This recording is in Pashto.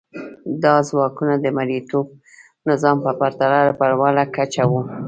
دا ځواکونه د مرئیتوب نظام په پرتله په لوړه کچه وو.